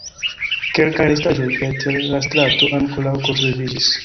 Kelkaj restaĵoj preter la strato ankoraŭ konserviĝis.